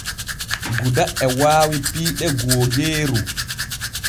Guda e waawi piiɗe googeeru.